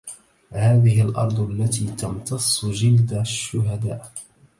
هذه الأرض التي تمتصُّ جلد الشهداءْ